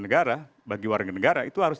negara bagi warga negara itu harus